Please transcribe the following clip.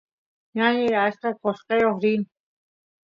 ñañay achka qoshqeo rin